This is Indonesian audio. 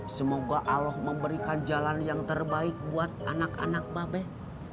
semoga allah memberikan jalan yang terbaik buat anak anak babeh